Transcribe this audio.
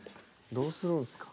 どうするんすか？